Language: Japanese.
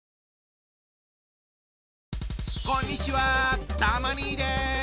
こんにちはたま兄です。